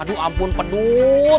aduh ampun pedut